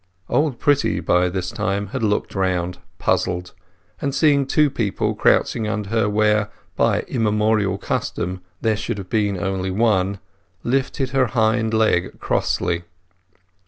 Old Pretty by this time had looked round, puzzled; and seeing two people crouching under her where, by immemorial custom, there should have been only one, lifted her hind leg crossly.